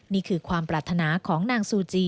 นี่คือความปรารถนาของนางซูจี